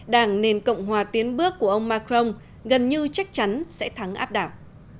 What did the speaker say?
đảng nền cộng hòa tiến bước của ông macron gần như chắc chắn sẽ thắng áp đảo